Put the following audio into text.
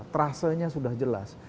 trasenya sudah jelas